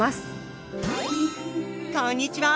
こんにちは。